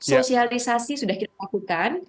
sosialisasi sudah kita lakukan